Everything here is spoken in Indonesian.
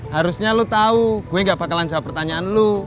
harusnya lo tau gue gak bakalan jawab pertanyaan lu